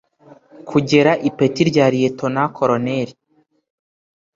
kugera ipeti rya Liyetona Koloneli